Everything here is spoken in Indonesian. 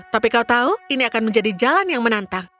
tapi kau tahu ini akan menjadi jalan yang menantang